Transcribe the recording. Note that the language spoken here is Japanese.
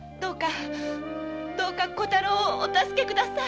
どうか小太郎をお助け下さい。